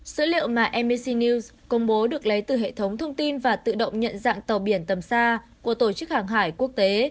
số liệu mà mbc news công bố được lấy từ hệ thống thông tin và tự động nhận dạng tàu biển tầm xa của tổ chức hàng hải quốc tế